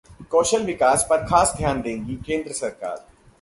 कौशल विकास पर खास ध्यान देगी केंद्र सरकार